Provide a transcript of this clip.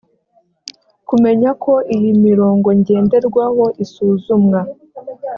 kumenya ko iyi mirongo ngenderwaho isuzumwa